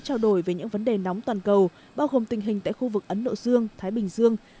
trao đổi về những vấn đề nóng toàn cầu bao gồm tình hình tại khu vực ấn độ dương thái bình dương